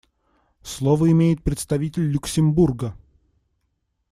Слово имеет представитель Люксембурга.